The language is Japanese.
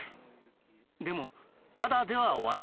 でもただでは終わりません。